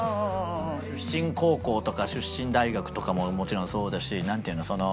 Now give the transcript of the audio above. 出身高校とか出身大学とかももちろんそうだしなんていうのその。